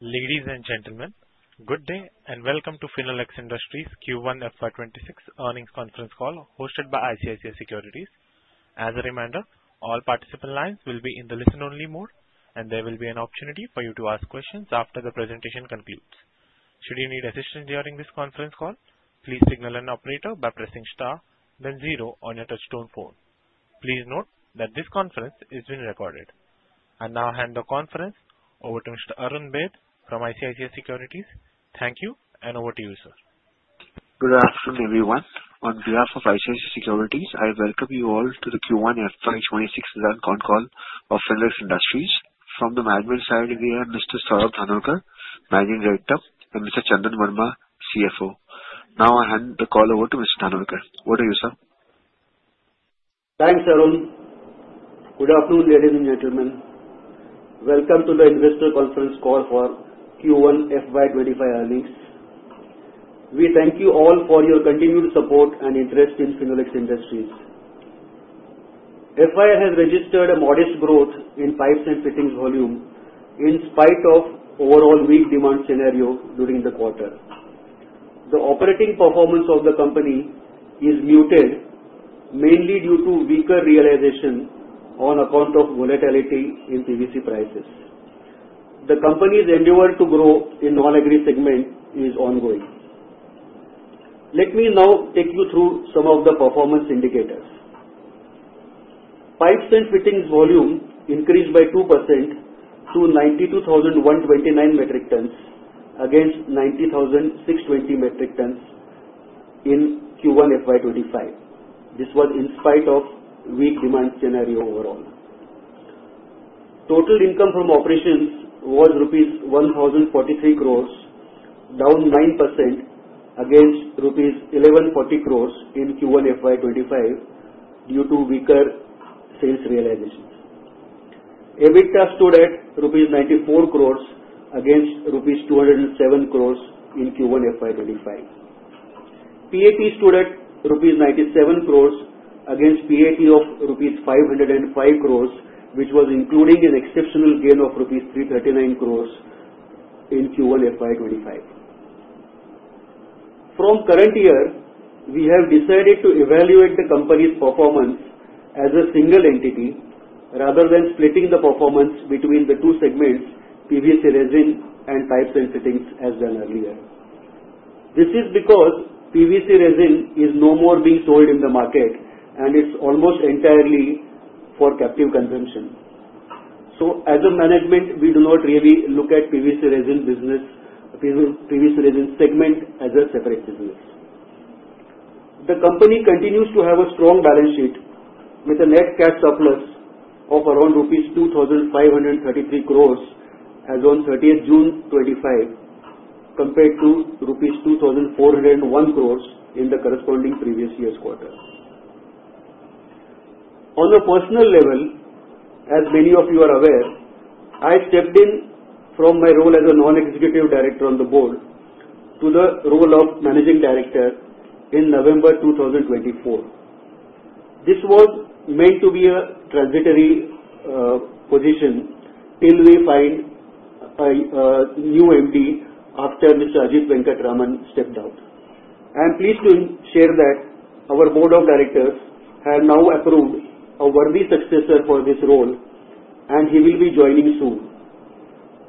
Ladies and gentlemen, good day and welcome to Finolex Industries' Q1 FY '26 Earnings Conference Call hosted by ICICI Securities. As a reminder, all participant lines will be in the listen-only mode, and there will be an opportunity for you to ask questions after the presentation concludes. Should you need assistance during this conference call, please signal an operator by pressing star then zero on your touchstone phone. Please note that this conference is being recorded. I now hand the conference over to Mr. Arun Baid from ICICI Securities. Thank you, and over to you, sir. Good afternoon, everyone. On behalf of ICICI Securities, I welcome you all to the Q1 FY '26 Earnings Conference Call of Finolex Industries. From the management side, we have Mr. Saurabh Dhanorkar, Managing Director, and Mr. Chandan Verma, CFO. Now I hand the call over to Mr. Dhanorkar. Over to you, sir. Thanks, Arun. Good afternoon, ladies and gentlemen. Welcome to the investor conference call for Q1 FY 2025 earnings. We thank you all for your continued support and interest in Finolex Industries. FIL has registered a modest growth in Pipes & Fittings volume in spite of overall weak demand scenarios during the quarter. The operating performance of the company is muted, mainly due to weaker realizations on account of volatility in PVC prices. The company's endeavor to grow in the non-agri segment is ongoing. Let me now take you through some of the performance indicators. Pipes & Fittings volume increased by 2% to 92,129 metric tons against 90,620 metric tons in Q1 FY 2025. This was in spite of a weak demand scenario overall. Total income from operations was 1,043 crore rupees, down 9% against 1,140 crore rupees in Q1 FY 2025 due to weaker sales realizations. EBITDA stood at rupees 94 crore against rupees 207 crore in Q1 FY 2025. PAT stood at rupees 97 crore against PAT of rupees 505 crore, which was including an exceptional gain of rupees 339 crore in Q1 FY 2025. From the current year, we have decided to evaluate the company's performance as a single entity rather than splitting the performance between the two segments, PVC resin and Pipes & Fittings, as done earlier. This is because PVC resin is no more being sold in the market, and it's almost entirely for captive consumption. As a management, we do not really look at the PVC resin segment as a separate business. The company continues to have a strong balance sheet with a net cash surplus of around rupees 2,533 crore as of June 30, 2025, compared to rupees 2,401 crore in the corresponding previous year's quarter. On a personal level, as many of you are aware, I stepped in from my role as a Non-Executive Director on the board to the role of Managing Director in November 2024. This was meant to be a transitory position until we find a new MD after Mr. Ajit Venkataraman stepped out. I am pleased to share that our board of directors has now approved a worthy successor for this role, and he will be joining soon.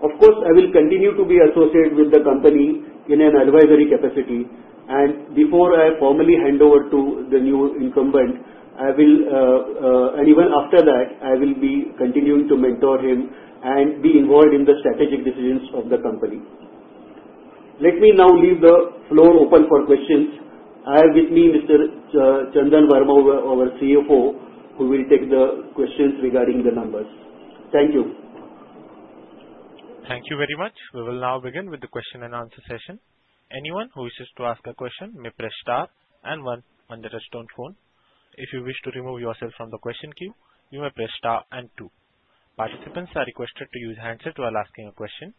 Of course, I will continue to be associated with the company in an advisory capacity, and before I formally hand over to the new incumbent, I will, and even after that, I will be continuing to mentor him and be involved in the strategic decisions of the company. Let me now leave the floor open for questions. I have with me Mr. Chandan Verma, our CFO, who will take the questions regarding the numbers. Thank you. Thank you very much. We will now begin with the question and answer session. Anyone who wishes to ask a question may press star and one on their touchstone phone. If you wish to remove yourself from the question queue, you may press star and two. Participants are requested to use handsets while asking a question.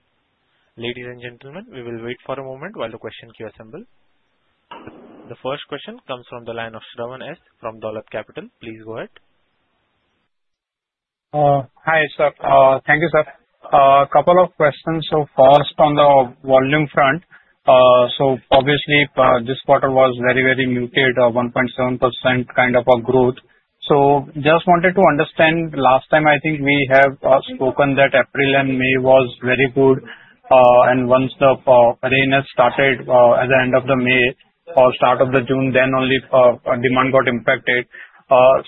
Ladies and gentlemen, we will wait for a moment while the question queue assembles. The first question comes from the line of Sravan S. from Dolat Capital. Please go ahead. Hi, sir. Thank you, sir. A couple of questions. First, on the volume front, obviously, this quarter was very, very muted, 1.7% kind of a growth. I just wanted to understand, last time I think we have spoken that April and May was very good, and once the readiness started at the end of May or start of June, then only demand got impacted. I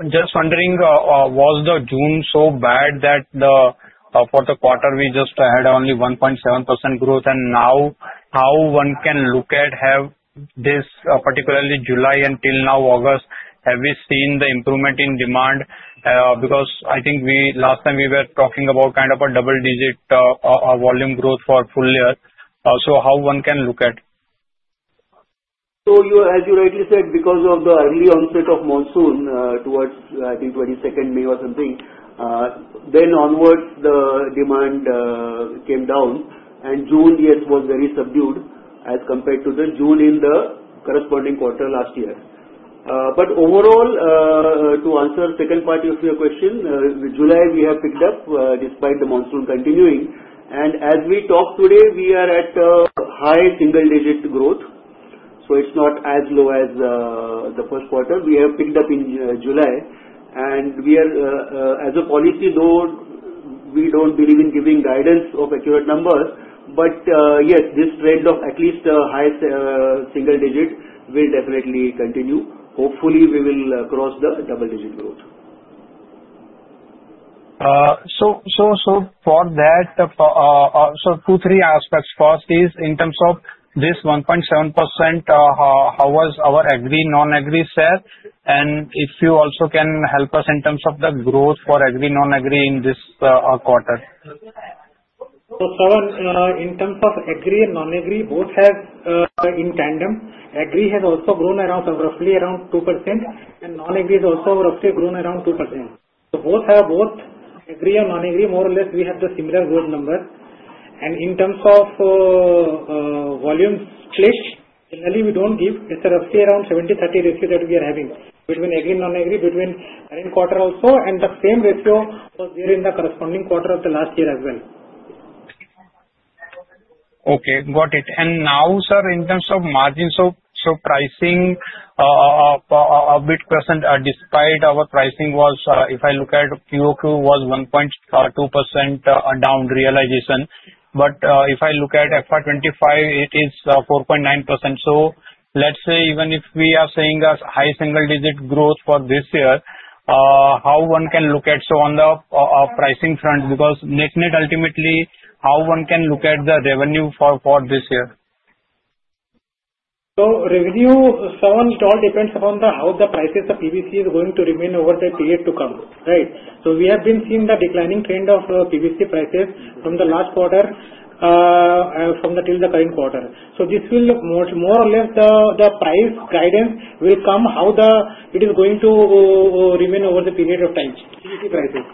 am just wondering, was June so bad that the top of the quarter we just had only 1.7% growth, and now how one can look at have this particularly July until now August, have we seen the improvement in demand? I think last time we were talking about kind of a double-digit volume growth for the full year. How one can look at? As you rightly said, because of the early onset of monsoon towards, I think, 22nd May or something, then onwards the demand came down, and June yet was very subdued as compared to the June in the corresponding quarter last year. Overall, to answer the second part of your question, July, we have picked up despite the monsoon continuing. As we talk today, we are at a high single-digit growth. It's not as low as the first quarter. We have picked up in July. We are, as a policy, though we don't believe in giving guidance of accurate numbers, but yes, this trend of at least a high single digit will definitely continue. Hopefully, we will cross the double-digit growth. For that, two, three aspects. First is in terms of this 1.7%, how was our agri, non-agri set, and if you also can help us in terms of the growth for agri, non-agri in this quarter? In terms of agri and non-agri, both have in tandem, agri has also grown around roughly around 2%, and non-agri has also roughly grown around 2%. Both have both agri and non-agri, more or less, we have the similar growth numbers. In terms of volume split, generally, we don't give. It's roughly around 70/30 ratio that we are having between agri, non-agri between earning quarter also, and the same ratio was during the corresponding quarter of the last year as well. Okay. Got it. Now, sir, in terms of margins, so pricing a bit present despite our pricing was, if I look at QOQ, was 1.2% down realization. If I look at FY 2025, it is 4.9%. Let's say even if we are seeing a high single-digit growth for this year, how one can look at, on the pricing front, because ultimately, how one can look at the revenue for this year? Revenue, Sravan, it all depends upon how the prices of PVC is going to remain over the period to come, right? We have been seeing the declining trend of PVC prices from the last quarter until the current quarter. This will look more or less the price guidance will come how it is going to remain over the period of time. PVC prices.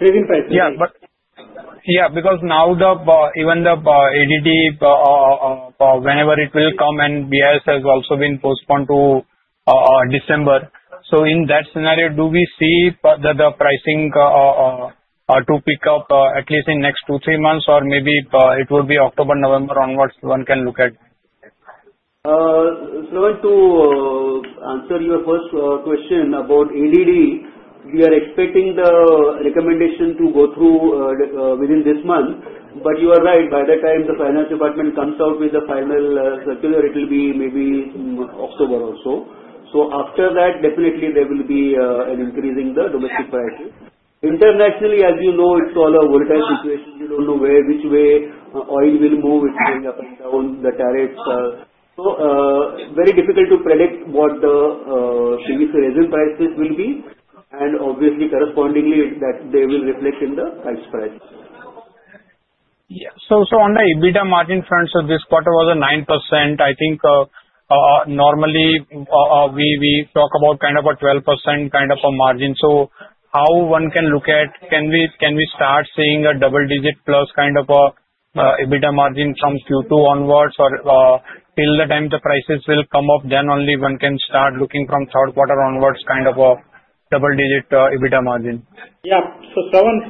PVC prices. Yeah, because now even the ADD, whenever it will come, and BIS has also been postponed to December. In that scenario, do we see the pricing to pick up at least in the next two, three months, or maybe it will be October, November onwards one can look at? Sravan, to answer your first question about ADD, we are expecting the recommendation to go through within this month. You are right, by the time the finance department comes out with the final circular, it will be maybe October or so. After that, definitely, there will be an increase in the domestic prices. Internationally, as you know, it's all a volatile situation. You don't know which way oil will move, which will happen around the tariffs. It is very difficult to predict what the PVC resin prices will be. Obviously, correspondingly, they will reflect in the price spike. Yeah. On the EBITDA margin front, this quarter was at 9%. I think normally we talk about kind of a 12% kind of a margin. How one can look at, can we start seeing a double-digit plus kind of an EBITDA margin from Q2 onwards, or till the time the prices will come up, then only one can start looking from third quarter onwards at a double-digit EBITDA margin? Yeah. Sravan,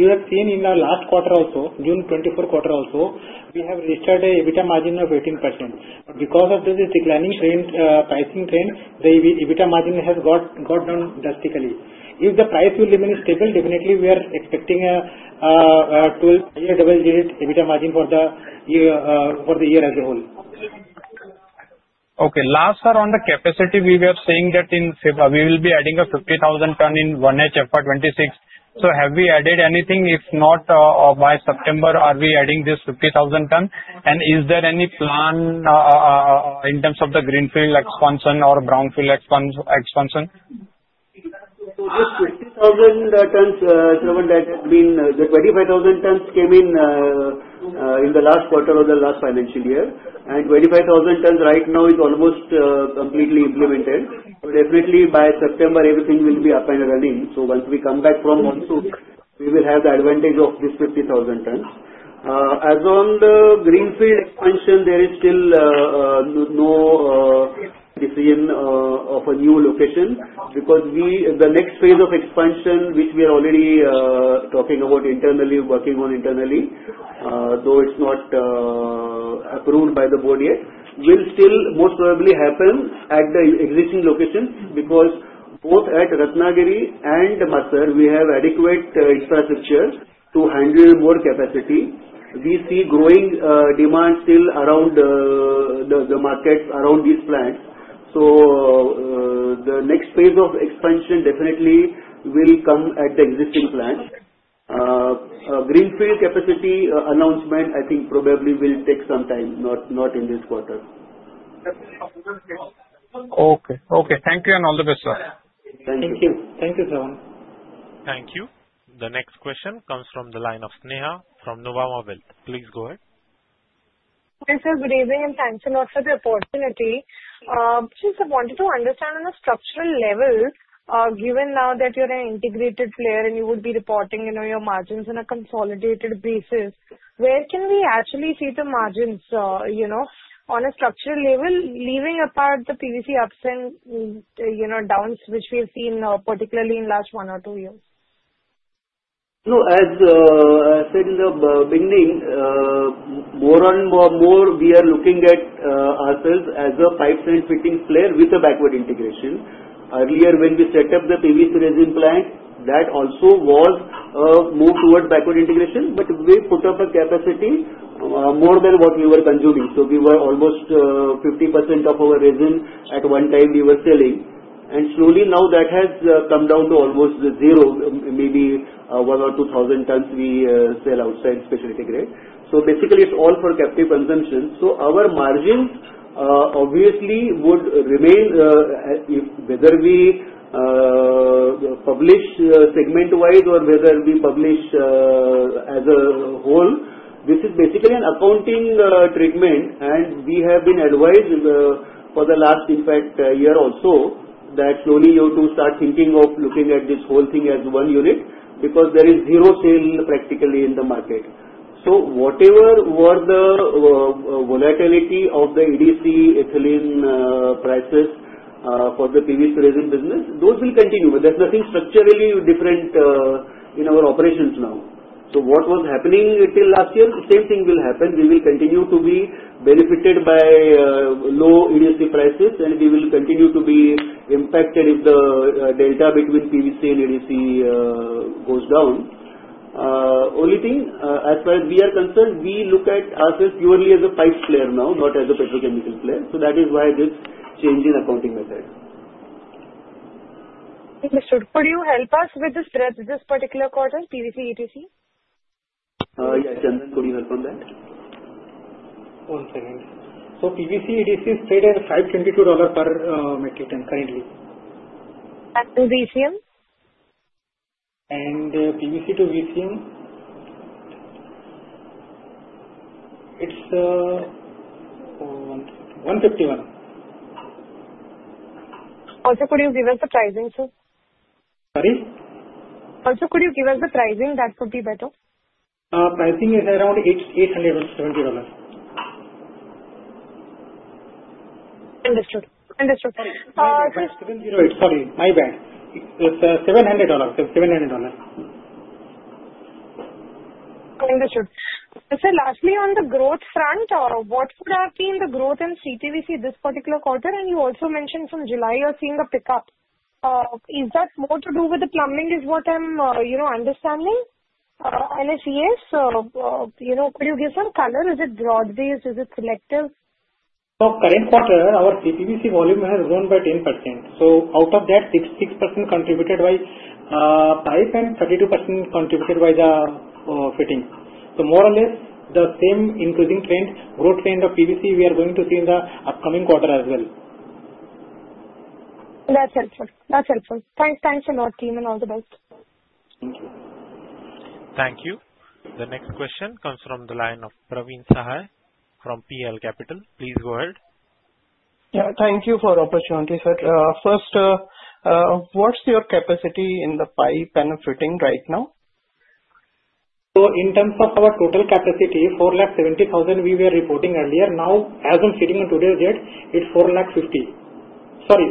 you have seen in the last quarter also, June 2024 quarter also, we have restarted EBITDA margin of 18%. Because of this declining trend, pricing trend, the EBITDA margin has got down drastically. If the price will remain stable, definitely, we are expecting a double-digit EBITDA margin for the year as a whole. Okay. Last, sir, on the capacity, we were saying that we will be adding a 50,000 ton in 1H FY 2026. Have we added anything? If not, by September, are we adding this 50,000 ton? Is there any plan in terms of the greenfield expansion or brownfield expansion? This 50,000 tons, Sravan, that has been the 25,000 tons came in in the last quarter of the last financial year. The 25,000 tons right now is almost completely implemented. Definitely, by September, everything will be up and running. Once we come back from monsoon, we will have the advantage of this 50,000 tons. As on the greenfield expansion, there is still no decision of a new location because the next phase of expansion, which we are already talking about internally, working on internally, though it's not approved by the board yet, will still most probably happen at the existing locations because both at Ratnagiri and Masar, we have adequate infrastructure to handle more capacity. We see growing demand still around the markets around these plants. The next phase of expansion definitely will come at the existing plants. Greenfield capacity announcement, I think, probably will take some time, not in this quarter. Okay. Okay. Thank you and all the best, sir. Thank you. Thank you. Thank you, Sravan. Thank you. The next question comes from the line of Sneha from Nuvama Wealth. Please go ahead. Okay, sir good evening and thanks also the opportunity, I wanted to understand on a structural level, given now that you're an integrated player and you would be reporting your margins on a consolidated basis, where can we actually see the margins on a structural level, leaving apart the PVC ups and downs, which we've seen, particularly in the last one or two years? No. As I said in the beginning, more and more, we are looking at ourselves as a Pipes & Fittings player with a backward integration. Earlier, when we set up the PVC resin plant, that also was a move towards backward integration, but we put up a capacity more than what we were consuming. We were almost 50% of our resin at one time we were selling, and slowly, now that has come down to almost zero, maybe 1,000 or 2,000 tons we sell outside specialty grade. Basically, it's all for captive consumption. Our margins, obviously, would remain, if whether we publish segment-wise or whether we publish as a whole, this is basically an accounting treatment. We have been advised, for the last year also, that slowly you have to start thinking of looking at this whole thing as one unit because there is zero sale practically in the market. Whatever were the volatility of the EDC, ethylene prices for the PVC resin business, those will continue. There's nothing structurally different in our operations now. What was happening until last year, the same thing will happen. We will continue to be benefited by low EDC prices, and we wish to continue to be impacted if the delta between PVC and EDC goes down. The only thing, as far as we are concerned, we look at ourselves purely as a pipe player now, not as a petrochemical player. That is why this change in accounting method. Thank you, sir. Could you help us with the spread this particular quarter, PVC/EDC? Yeah, Chandan, could you help on that? One second. PVC/EDC spread at $522 per metric ton currently. And VCM? PVC to VCM, it's $151. Also, could you give us the pricing, sir? Sorry? Also, could you give us the pricing? That would be better. Pricing is around $870. Understood. Understood. Sorry. My bad. It's $700. Understood. Sir, lastly, on the growth front, what's been the growth in CPVC this particular quarter? You also mentioned from July, you're seeing the pickup. Is that more to do with the plumbing is what I'm understanding? Could you give some color? Is it broad-based? Is it selective? Current quarter, our CPVC volume has grown by 10%. Out of that, 66% contributed by pipe and 32% contributed by the fitting. More or less, the same increasing trend, growth trend of PVC, we are going to see in the upcoming quarter as well. That's helpful. Thanks from our team, and all the best. Thank you. Thank you. The next question comes from the line of Praveen Sahay from PL Capital. Please go ahead. Thank you for the opportunity, sir. First, what's your capacity in the pipe and the fitting right now? In terms of our total capacity, 4,70,000 we were reporting earlier. Now, as of sitting on today's date, it's 4,50,000. Sorry,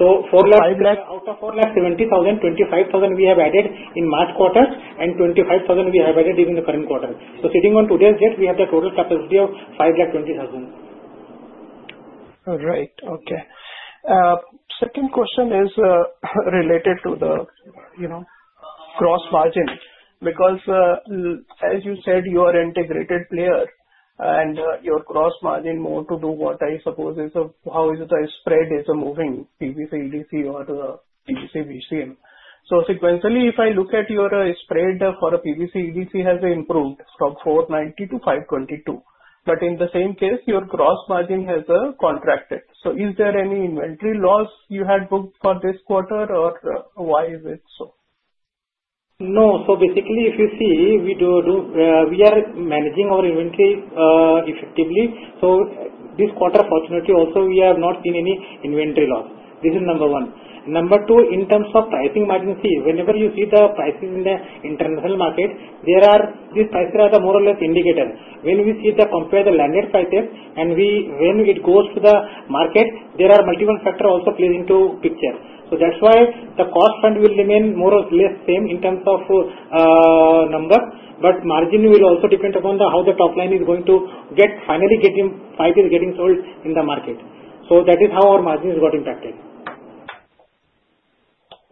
5,20,000. Out of 4,70,000, 25,000 we have added in March quarter and 25,000 we have added during the current quarter. Sitting on today's date, we have the total capacity of 5,20,000. Right. Okay. Second question is related to the, you know, gross margin because, as you said, you are an integrated player, and your gross margin more to do what I suppose is how is the spread as a moving PVC/EDC or PVC. Sequentially, if I look at your spread for a PVC/EDC, it has improved from $490 to $522. In the same case, your gross margin has contracted. Is there any inventory loss you had booked for this quarter, or why is it so? No. Basically, if you see, we do, we are managing our inventory effectively. This quarter, fortunately, also we have not seen any inventory loss. This is number one. Number two, in terms of pricing margins, see, whenever you see the prices in the international market, these prices are more or less indicators. When we see the compared landed prices and when it goes to the market, there are multiple factors also playing into the picture. That is why the cost front will remain more or less the same in terms of number. Margin will also depend upon how the top line is going to get finally getting pipes getting sold in the market. That is how our margin has got impacted.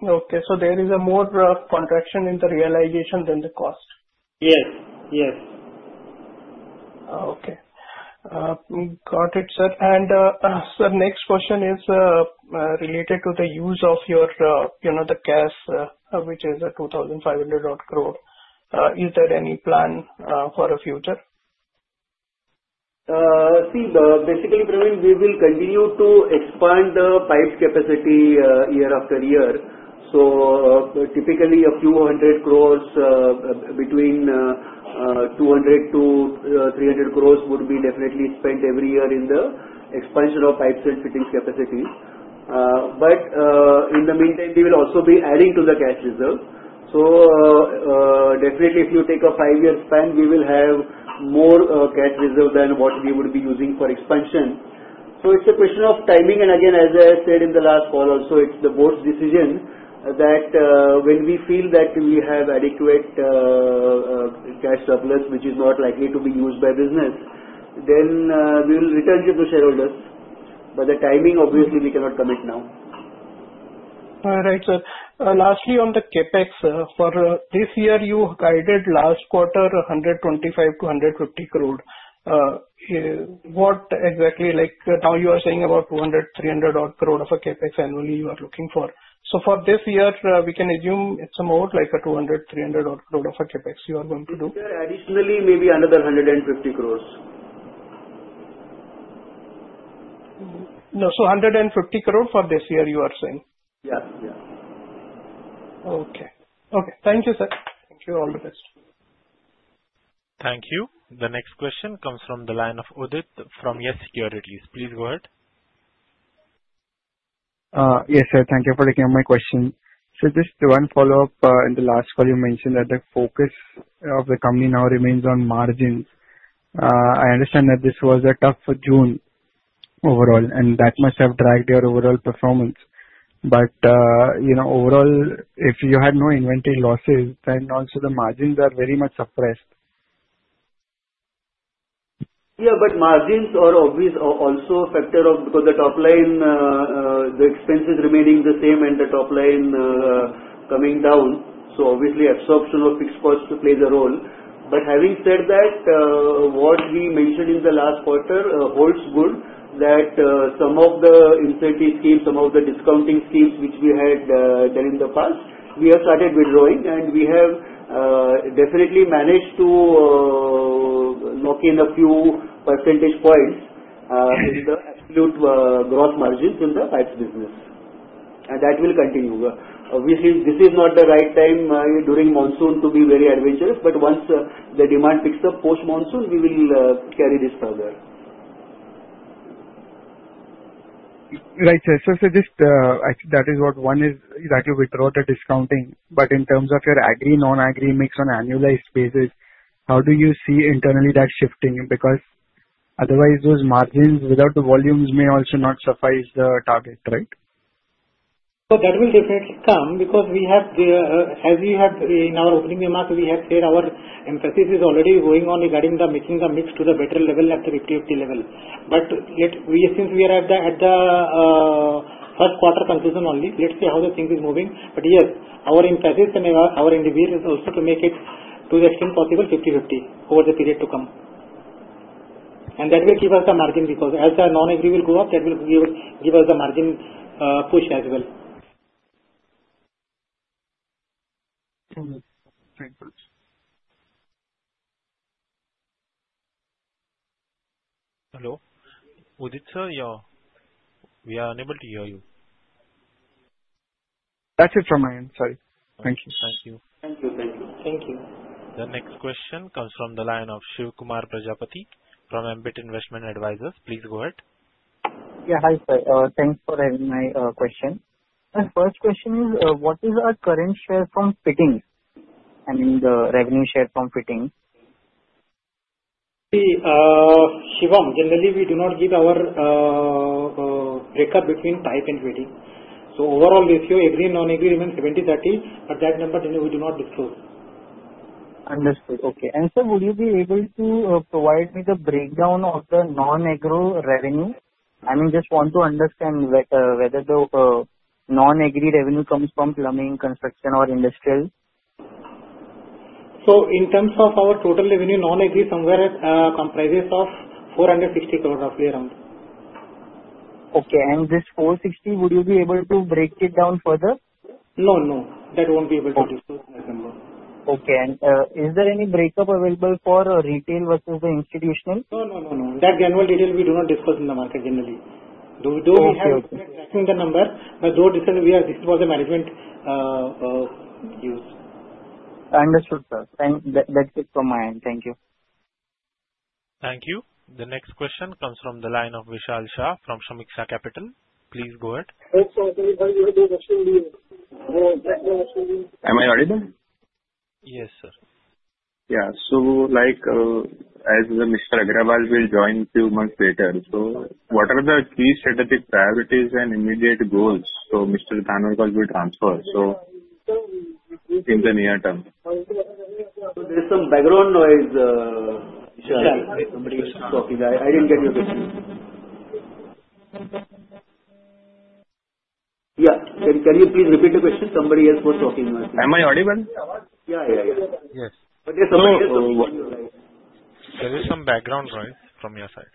Okay. There is more contraction in the realization than the cost? Yes. Yes. Okay. Got it, sir. Next question is related to the use of your, you know, the cash, which is 2,500 crore. Is there any plan for a future? See, basically, Praveen, we will continue to expand the pipes' capacity year after year. Typically, a few hundred crores, between 200 crores-300 crores, would be definitely spent every year in the expansion of Pipes & Fittings capacities. In the meantime, we will also be adding to the cash reserve. If you take a five-year span, we will have more cash reserve than what we would be using for expansion. It's a question of timing. As I said in the last call also, it's the Board's decision that when we feel that we have adequate cash surplus, which is not likely to be used by business, we will return to the shareholders. The timing, obviously, we cannot commit now. All right, sir. Lastly, on the capex, for this year, you guided last quarter 125 crore to 150 crore. What exactly? Like now you are saying about 200 crore, 300 crore of a CapEx annually you are looking for. For this year, we can assume it's about like a 200 crore, 300 crore of a CapEx you are going to do? Additionally, maybe another 150 crore. 150 crore for this year, you are saying? Yes. Yes. Okay. Okay. Thank you, sir. Thank you. All the best. Thank you. The next question comes from the line of Udit YES Securities. Please go ahead. Yes, sir. Thank you for taking up my question. Just one follow-up. In the last call, you mentioned that the focus of the company now remains on margins. I understand that this was a tough June overall, and that must have dragged your overall performance. You know, overall, if you had no inventory losses, then also the margins are very much suppressed. Yeah, but margins are obviously also a factor because the top line, the expenses remaining the same and the top line coming down. Obviously, absorption of fixed costs plays a role. Having said that, what we mentioned in the last quarter holds good that some of the incentive schemes, some of the discounting schemes, which we had done in the past, we have started withdrawing, and we have definitely managed to knock in a few percentage points in the absolute gross margins in the pipes business. That will continue. Obviously, this is not the right time during monsoon to be very adventurous, but once the demand picks up post-monsoon, we will carry this further. Right, sir. I think that is what one is that you withdraw the discounting. In terms of your agri, non-agri mix on annualized basis, how do you see internally that shifting? Because otherwise, those margins without the volumes may also not suffice the target, right? That will definitely come because, as we have said in our opening remarks, our emphasis is already going on regarding making the mix to the better level at the 50/50 level. Yet, since we are at the first quarter conclusion only, let's see how the thing is moving. Yes, our emphasis and our endeavor is also to make it to the extent possible 50/50 over the period to come. That will give us the margin because as the non-agri will go up, that will give us the margin push as well. Thank you. Hello? Udit, sir? Yeah, we are unable to hear you. That's it from my end. Thank you. The next question comes from the line of Shivkumar Prajapati from Ambit Investment Advisors. Please go ahead. Yeah. Hi, sir. Thanks for having my question. My first question is, what is our current share from fitting? I mean, the revenue share from fitting? See, Shivam, generally, we do not give our breakup between Pipe & Fitting. Overall, we assume every non-agri even 70/30, but that number generally we do not withdraw. Understood. Okay. Sir, would you be able to provide me the breakdown of the non-agri revenue? I mean, just want to understand whether the non-agri revenue comes from plumbing, construction, or industrial. In terms of our total revenue, non-agri somewhere comprises of INR 460 crore of year-round. Okay. This 460 crore, would you be able to break it down further? No, no. That won't be able to be discussed in the same book. Is there any breakup available for retail versus the institutional? That general detail we do not discuss in the market generally. Though we have been addressing the number, though recently we have discussed the management use. Understood, sir. That's it from my end. Thank you. Thank you. The next question comes from the line of Vishal Shah from Sameeksha Capital. Please go ahead. Am I audible? Yes, sir. Yeah. Like, as Mr. Agarwal will join two months later, what are the key strategic priorities and immediate goals? Mr. Dhanorkar will transfer. Please, in the near term? There's some background noise, Vishal. Somebody else was talking. I didn't get your question. Yeah, can you please repeat the question? Somebody else was talking. Am I audible? There is some background noise from your side.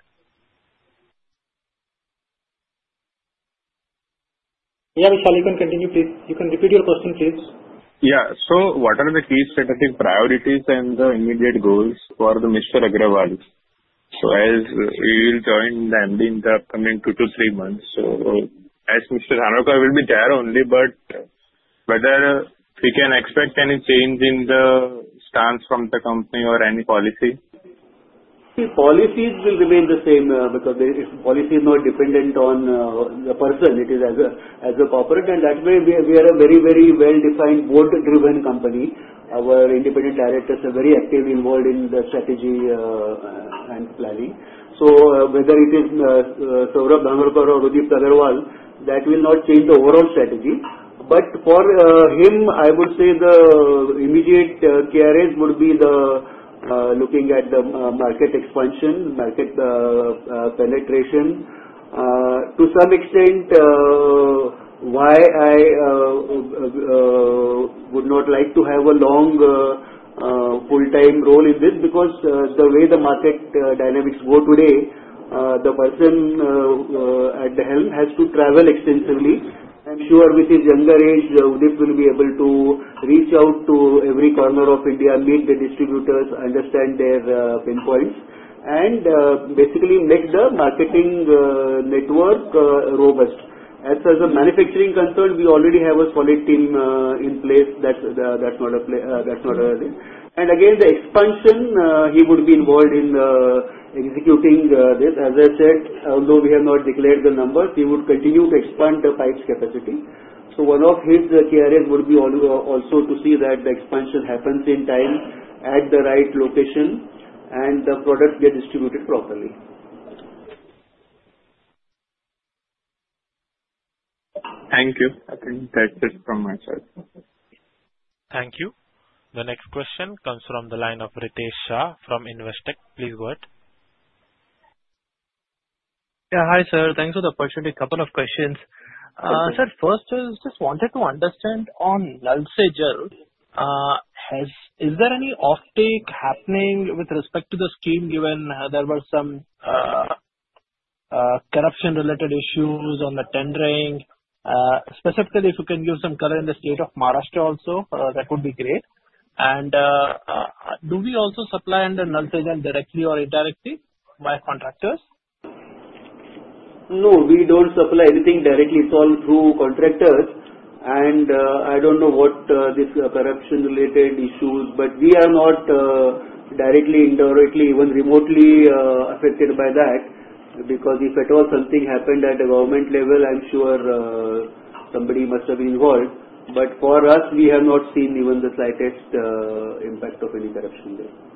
Yeah, Vishal, you can continue, please. You can repeat your question, please. Yeah. What are the key strategic priorities and the immediate goals for Mr. Agarwal? As he will join as the Managing Director in the upcoming two to three months, Mr. Dhanorkar will be there only, but whether we can expect any change in the stance from the company or any policy? See, policies will remain the same because the policy is not dependent on the person. It is as a corporate. In that way, we are a very, very well-defined board-driven company. Our independent directors are very actively involved in the strategy and planning. Whether it is Saurabh Dhanorkar or Uday Agarwal, that will not change the overall strategy. For him, I would say the immediate KRA would be looking at the market expansion, market penetration. To some extent, I would not like to have a long full-time role in this because the way the market dynamics go today, the person at the helm has to travel extensively. I'm sure with his younger age, Udipt will be able to reach out to every corner of India, meet the distributors, understand their pain points, and basically make the marketing network robust. As far as the manufacturing is concerned, we already have a solid team in place. That's not another thing. The expansion, he would be involved in executing this. As I said, although we have not declared the numbers, he would continue to expand the pipes' capacity. One of his KRA would be also to see that the expansion happens in time at the right location and the products get distributed properly. Thank you. I think that's it from my side. Thank you. The next question comes from the line of Ritesh Shah from Investec. Please go ahead. Yeah. Hi, sir. Thanks for the opportunity. A couple of questions. Sir, first, I just wanted to understand on Na Se Jal, is there any offtake happening with respect to the scheme given there were some corruption-related issues on the tendering? Specifically, if you can give some color in the state of Maharashtra also, that would be great. Do we also supply under Na se Jal directly or indirectly via contractors? No, we don't supply anything directly. It's all through contractors. I don't know what this corruption-related issues are, but we are not directly, indirectly, or even remotely affected by that. If at all something happened at the government level, I'm sure somebody must have been involved. For us, we have not seen even the slightest impact of any corruption there.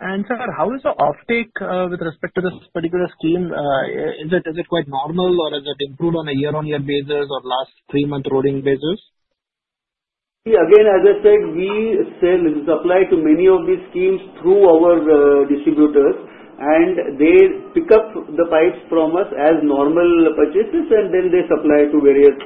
Okay. Sir, how is the offtake with respect to this particular scheme? Is it quite normal, or has it improved on a year-on-year basis or last three-month rolling basis? See, again, as I said, we sell and supply to many of these schemes through our distributors, and they pick up the pipes from us as normal purchases, and then they supply to various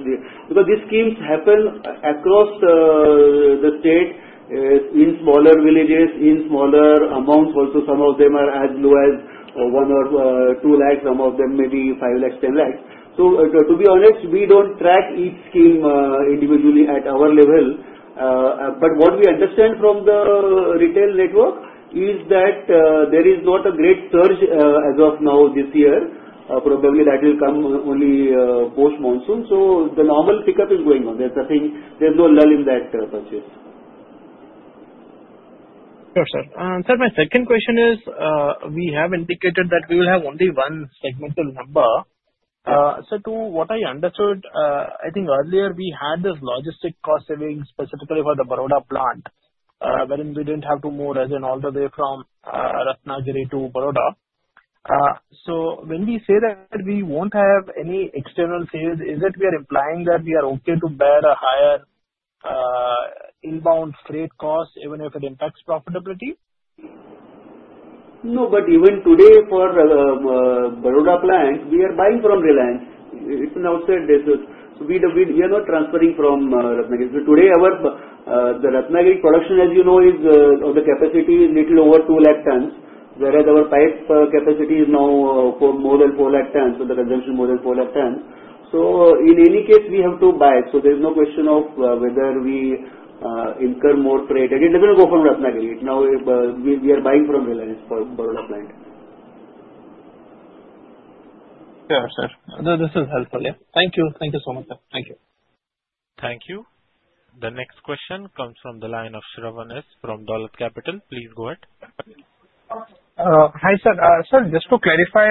because these schemes happen across the state in smaller villages, in smaller amounts. Also, some of them are as low as 1 lakh or 2 lakh. Some of them may be 5 lakh, 10 lakh. To be honest, we don't track each scheme individually at our level. What we understand from the retail network is that there is not a great surge as of now this year. Probably that will come only post-monsoon. The normal pickup is going on. There's nothing, there's no lull in that purchase. Sure, sir. Sir, my second question is, we have indicated that we will have only one segmental number. Sir, to what I understood, I think earlier we had this logistic cost savings specifically for the Baroda plant, wherein we didn't have to move all the way from Ratnagiri to Baroda. When we say that we won't have any external sales, is it we are implying that we are okay to bear a higher inbound freight cost even if it impacts profitability? No, but even today for Baroda plant, we are buying from Reliance. If I now say this, we are not transferring from Ratnagiri. Today, the Ratnagiri production, as you know, is the capacity is a little over 2 lakh tons, whereas our pipes' capacity is now more than 4 lakh tons. The consumption is more than 4 lakh tons. In any case, we have to buy. There is no question of whether we incur more freight. It does not go from Ratnagiri. Now we are buying from Reliance for Baroda plant. Sure, sir. This is helpful. Thank you. Thank you so much, sir. Thank you. Thank you. The next question comes from the line of Sravan S. from Dolat Capital. Please go ahead. Hi, sir. Sir, just to clarify,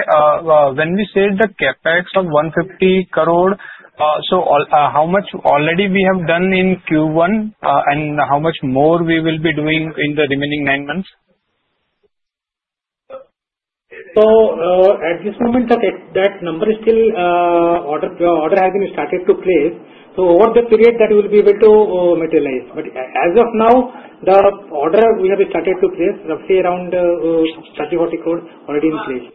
when we say the CapEx of 150 crore, how much already we have done in Q1 and how much more we will be doing in the remaining nine months? At this moment, that number is still order has been started to place. Over the period, that will be able to materialize. As of now, the order we have started to place is roughly around 30 crore, 40 crore already in place.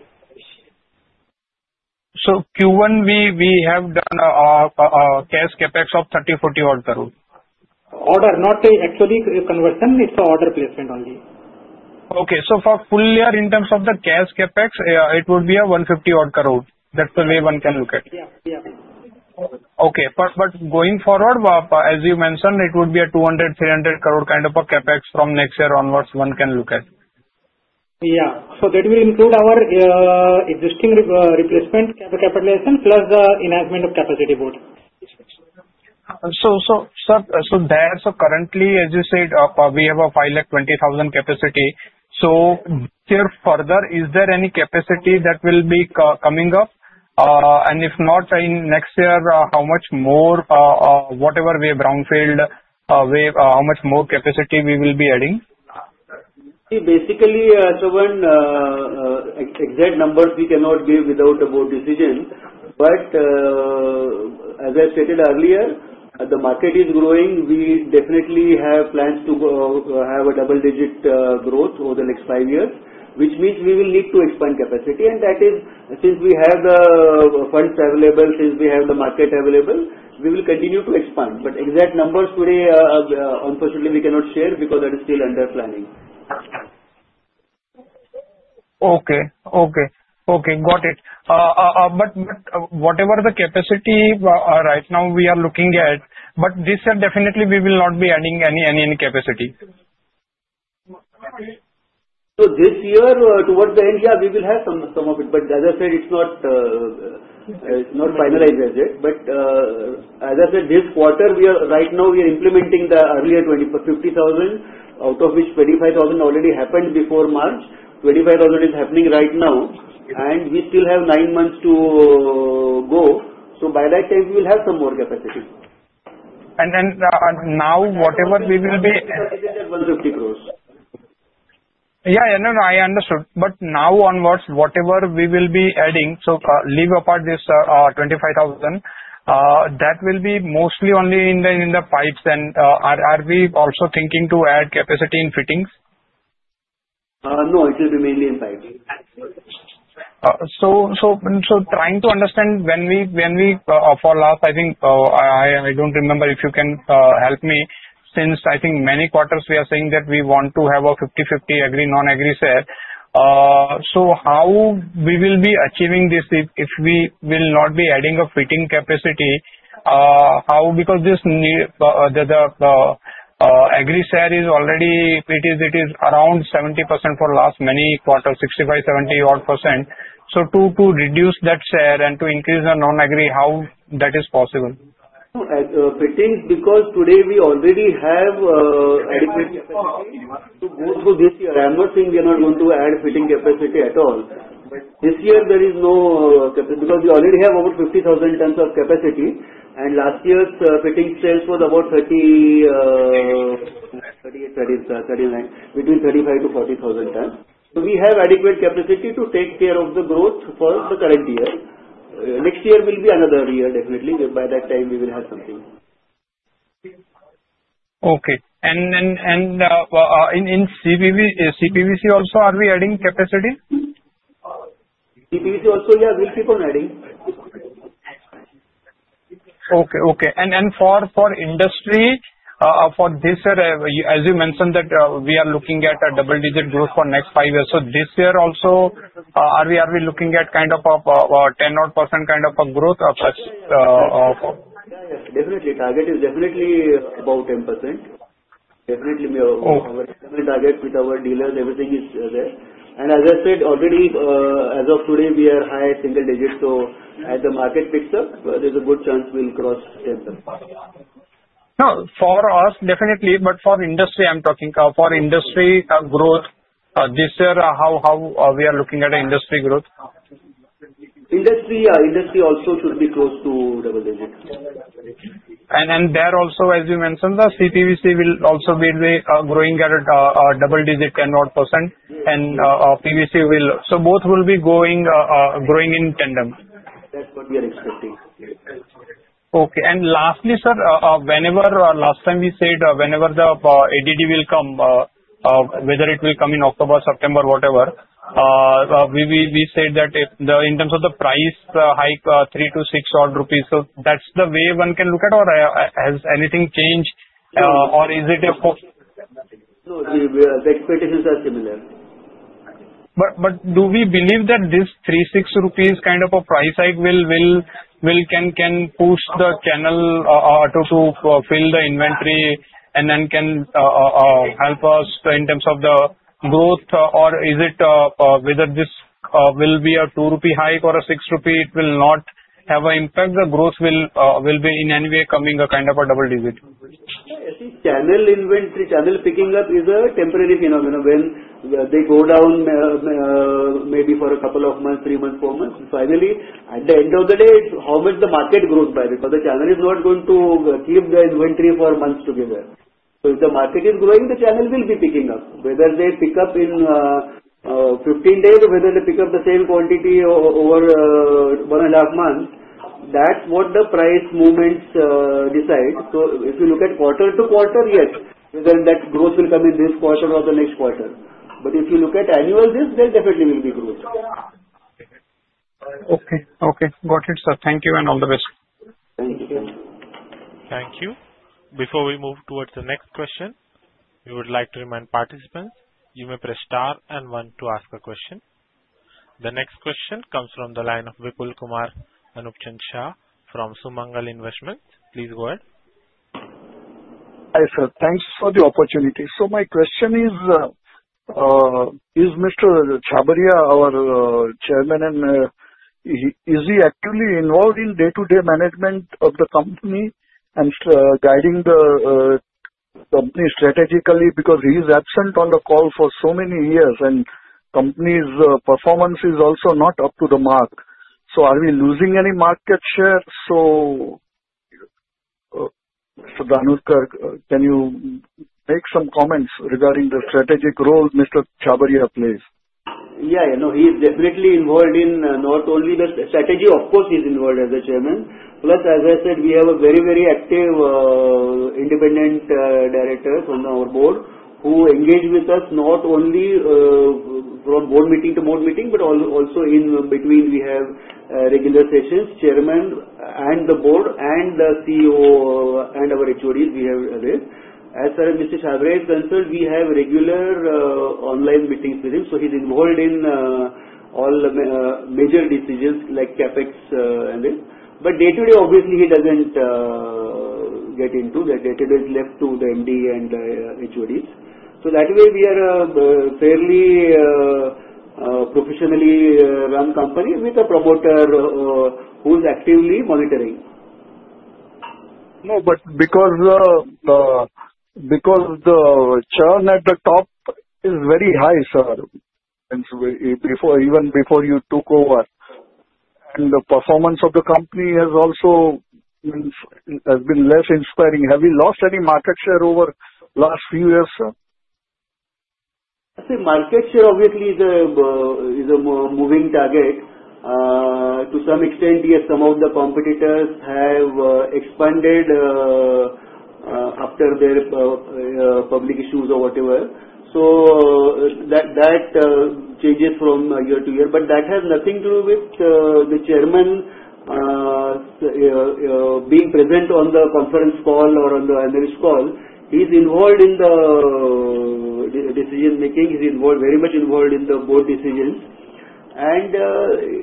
In Q1, we have done a cash CapEx of 30 crore-40 crore. Order, not actually conversion. It's the order placement only. Okay. For full year, in terms of the cash CapEx, it would be 150 crore. That's the way one can look at it. Yeah. Yeah. Okay. Going forward, as you mentioned, it would be a 200 crore, 300 crore kind of a CapEx from next year onwards one can look at. That will include our existing replacement capitalization, plus the enhancement of capacity board. Sir, as you said, we have a 520,000 capacity. Is there any capacity that will be coming up? If not, in next year, how much more, whatever way, brownfield way, how much more capacity we will be adding? See, basically, Sravan, exact numbers we cannot give without a board decision. As I stated earlier, the market is growing. We definitely have plans to have a double-digit growth over the next five years, which means we will need to expand capacity. That is since we have the funds available, since we have the market available, we will continue to expand. Exact numbers today, unfortunately, we cannot share because that is still under planning. Okay. Got it. Whatever the capacity right now we are looking at, this year, definitely, we will not be adding any capacity. This year, towards the end, yeah, we will have some of it. As I said, it's not finalized as yet. As I said, this quarter, right now, we are implementing the earlier 50,000, out of which 25,000 already happened before March. 25,000 is happening right now, and we still have nine months to go. By that time, we will have some more capacity. Whatever we will be still adding is INR 150 crore. Yeah, I understood. Now onwards, whatever we will be adding, leave apart this 25,000, that will be mostly only in the pipes. Are we also thinking to add capacity in fittings? No, it will be mainly in pipes. Trying to understand, when we, for last, I think, I don't remember if you can help me, since I think many quarters we are saying that we want to have a 50/50 agri, non-agri share. How will we be achieving this if we will not be adding a fittings capacity? How? Because this need, the agri share is already, it is around 70% for the last many quarters, 65%, 70%. To reduce that share and to increase the non-agri, how is that possible? Fittings, because today we already have adequate capacity to go through this year. I'm not saying we are not going to add fitting capacity at all. This year, there is no capacity because we already have over 50,000 tons of capacity. Last year's fitting sales was about 30, 38, 39, between 35,000 to 40,000 tons. We have adequate capacity to take care of the growth for the current year. Next year will be another year, definitely. By that time, we will have something. Okay. In CPVC also, are we adding capacity? CPVC also, yeah, we'll keep on adding. Okay. For industry, for this year, as you mentioned that we are looking at a double-digit growth for the next five years, this year also, are we looking at kind of a 10% odd kind of a growth? Yeah, yes. Definitely. Target is definitely about 10%. Definitely, we are our target with our dealers. Everything is there. As I said already, as of today, we are high single-digits. As the market picks up, there's a good chance we'll cross 10%. No, for us, definitely. For industry, I'm talking for industry growth this year, how we are looking at industry growth. Industry, yeah, industry also should be close to double digits. There also, as you mentioned, the CPVC will also be growing at a double-digit, 10%. PVC will, so both will be growing in tandem. That's going to be an expectation. Okay. Lastly, sir, whenever last time we said whenever the anti-dumping duties will come, whether it will come in October, September, whatever, we said that in terms of the price, the high 3 to 6. That's the way one can look at it. Has anything changed? Is it a? No, the expectations are similar. Do we believe that this 3 rupees, INR 6 kind of a price hike can push the channel to fill the inventory and then can help us in terms of the growth? Or is it whether this will be a 2 rupee hike or a 6 rupee, it will not have an impact? The growth will be in any way coming a kind of a double-digit? See, channel inventory, channel picking up is a temporary phenomenon. When they go down, maybe for a couple of months, three months, four months, and finally, at the end of the day, it's how much the market grows by because the channel is not going to keep the inventory for months together. If the market is growing, the channel will be picking up. Whether they pick up in 15 days or whether they pick up the same quantity over one and a half months, that's what the price movements decide. If you look at quarter-to-quarter, yes, then that growth will come in this quarter or the next quarter. If you look at annual, this definitely will be growth. Okay. Okay. Got it, sir. Thank you and all the best. Thank you. Thank you. Before we move towards the next question, we would like to remind participants you may press star and one to ask a question. The next question comes from the line of Vipulkumar Anopchand Shah from Sumangal Investments. Please go ahead. Hi, sir. Thanks for the opportunity. My question is, is Mr. Chhabria, our Chairman, and is he actively involved in day-to-day management of the company and guiding the company strategically? He is absent on the call for so many years, and the company's performance is also not up to the mark. Are we losing any market share? Mr. Dhanorkar, can you make some comments regarding the strategic role Mr. Chhabria plays? Yeah. He is definitely involved in not only the strategy. Of course, he's involved as the Chairman. Plus, as I said, we have a very, very active Independent Director from our Board who engages with us not only from Board meeting to Board meeting, but also in between, we have regular sessions, Chairman and the Board and the CEO and our HODs we have there. As far as Mr. Chhabria is concerned, we have regular online meetings with him. He's involved in all the major decisions like CapEx and this. Day-to-day, obviously, he doesn't get into that. Day-to-day is left to the MD and the HODs. That way, we are a fairly professionally run company with a promoter who is actively monitoring. No, because the churn at the top is very high, sir, and even before you took over, the performance of the company has also been less inspiring. Have you lost any market share over the last few years, sir? I say market share, obviously, is a moving target. To some extent, yes, some of the competitors have expanded after their public issues or whatever. That changes from year-to-year. That has nothing to do with the Chairman being present on the conference call or on the analyst call. He's involved in the decision-making. He's very much involved in the Board decisions.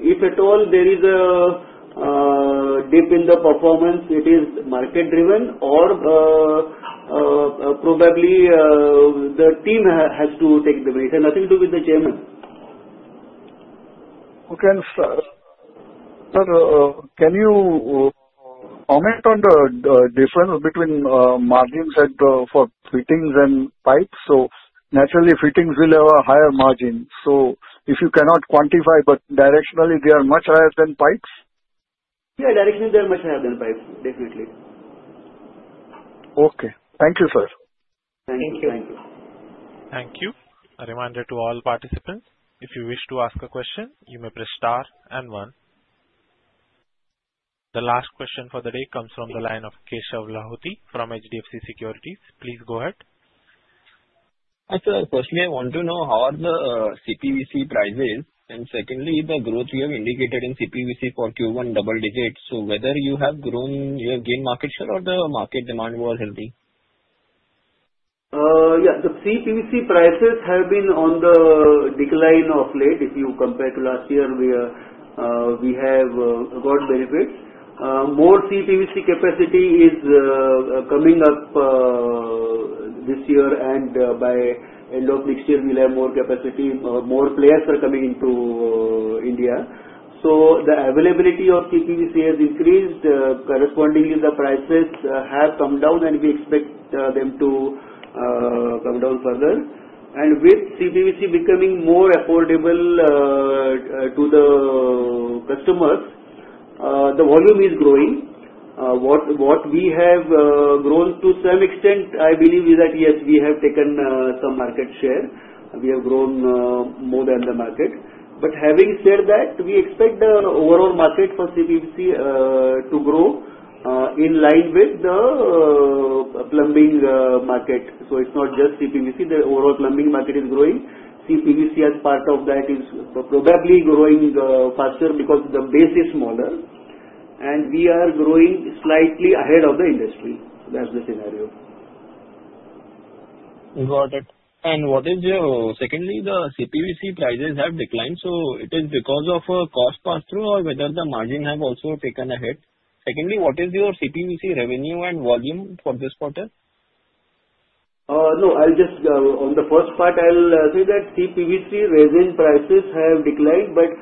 If at all there is a dip in the performance, it is market-driven or probably the team has to take the bait. It has nothing to do with the Chairman. Okay, sir. Sir, can you comment on the difference between margins for fittings and pipes? Naturally, fittings will have a higher margin. If you cannot quantify, but directionally, they are much higher than pipes? Yeah, directionally, they're much higher than pipes, definitely. Okay, thank you, sir. Thank you. Thank you. Thank you. A reminder to all participants, if you wish to ask a question, you may press star and one. The last question for the day comes from the line of Keshav Lahoti from HDFC Securities. Please go ahead. Hi, sir. Personally, I want to know how are the CPVC prices? Secondly, the growth you have indicated in CPVC for Q1 is double-digits. Whether you have grown your gain market share or the market demand was healthy? Yeah. The CPVC prices have been on the decline of late. If you compare to last year, we have got benefits. More CPVC capacity is coming up this year, and by the end of next year, we'll have more capacity. More players are coming into India. The availability of CPVC has increased. Correspondingly, the prices have come down, and we expect them to come down further. With CPVC becoming more affordable to the customers, the volume is growing. What we have grown to some extent, I believe, is that, yes, we have taken some market share. We have grown more than the market. Having said that, we expect the overall market for CPVC to grow in line with the plumbing market. It is not just CPVC. The overall plumbing market is growing. CPVC as part of that is probably growing faster because the base is smaller. We are growing slightly ahead of the industry. That is the scenario. Got it. What is your, secondly, the CPVC prices have declined. Is it because of a cost pass-through or whether the margin has also taken a hit? Secondly, what is your CPVC revenue and volume for this quarter? No. I'll just on the first part, I'll say that CPVC resin prices have declined, but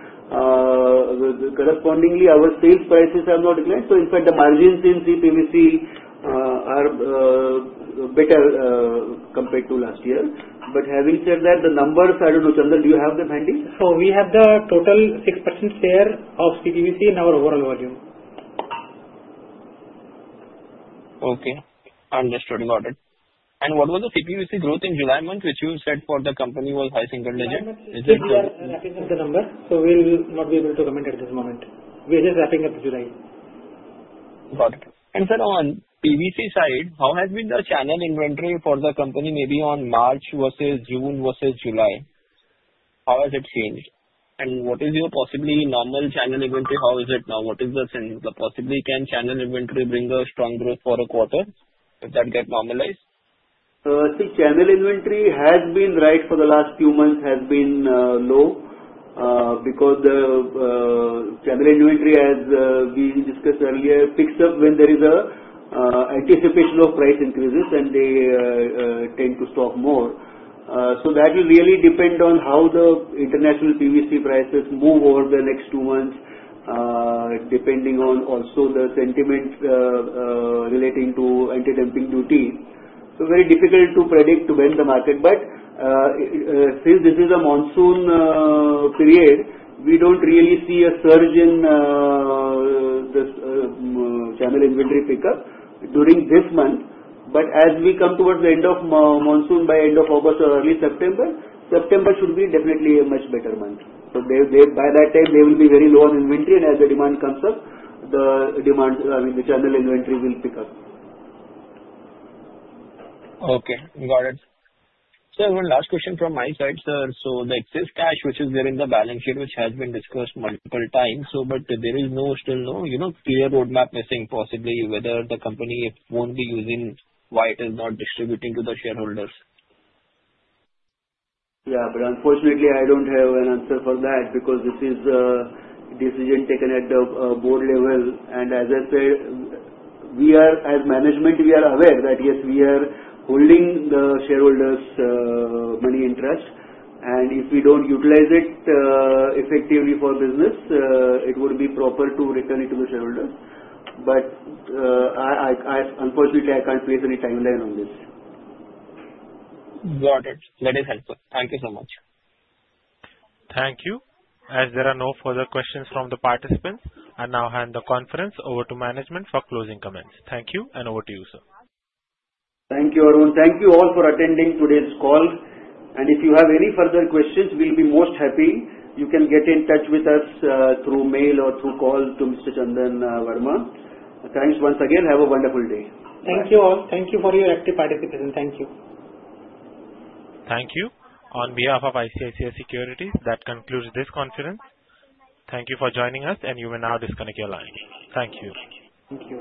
correspondingly, our sales prices have not declined. In fact, the margins in CPVC are better compared to last year. Having said that, the numbers, I don't know, Chandan, do you have them handy? We have the total 6% share of CPVC in our overall margin. Okay. Understood. Got it. What was the CPVC growth in July month, which you said for the company was high single-digit? Nothing at the number. We'll not be able to comment at this moment. We're just wrapping up July. Got it. Sir, on PVC side, how has been the channel inventory for the company, maybe on March versus June versus July? How has it changed? What is your possibly normal channel inventory? How is it now? What is the sense? Possibly, can channel inventory bring a strong growth for a quarter? Does that get normalized? See, channel inventory has been, for the last few months, low because the channel inventory, as we discussed earlier, picks up when there is, I guess, if it's no price increases, and they tend to stock more. That will really depend on how the international PVC prices move over the next two months, depending on also the sentiment relating to anti-dumping duty. It is very difficult to predict when the market, but since this is a monsoon period, we don't really see a surge in the channel inventory pickup during this month. As we come towards the end of monsoon, by end of August or early September, September should be definitely a much better month. By that time, they will be very low on inventory, and as the demand comes up, the demand, I mean, the channel inventory will pick up. Okay. Got it. Sir, one last question from my side, sir. Like sales cash, which is there in the balance sheet, which has been discussed multiple times, there is still no clear roadmap missing, possibly whether the company is only using why it is not distributing to the shareholders. Unfortunately, I don't have an answer for that because this is a decision taken at the Board level. As I said, we are, as management, aware that, yes, we are holding the shareholders' money interest. If we don't utilize it effectively for business, it would be proper to return it to the shareholder. Unfortunately, I can't place any timeline on this. Got it. That is helpful. Thank you so much. Thank you. As there are no further questions from the participants, I now hand the conference over to management for closing comments. Thank you, and over to you, sir. Thank you, Arun. Thank you all for attending today's call. If you have any further questions, we'll be most happy. You can get in touch with us through mail or through call to Mr. Chandan Verma. Thanks once again. Have a wonderful day. Thank you all. Thank you for your active participation. Thank you. Thank you. On behalf of ICICI Securities, that concludes this conference. Thank you for joining us, and you will now disconnect your line. Thank you. Thank you.